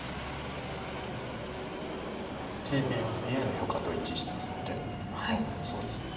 ＡＩの評価と一致してますのでなるほどそうですね。